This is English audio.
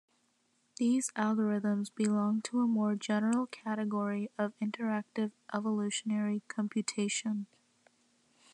These algorithms belong to a more general category of Interactive evolutionary computation.